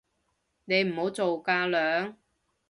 你唔好做架樑